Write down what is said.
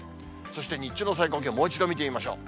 そして日中の最高気温、もう一度見てみましょう。